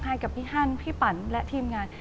ให้กับพี่ฮันพี่ปั่นและทีมงาน